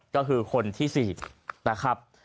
ก็คือคนที่๔นะครับ